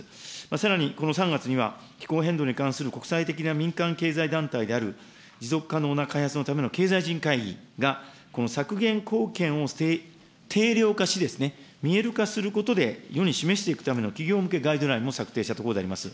さらにこの３月には、気候変動に関する国際的な民間経済団体である、持続可能な開発のための経済人会議がこの削減貢献を定量化し、見える化することで世に示していくための企業向けガイドラインも策定したところであります。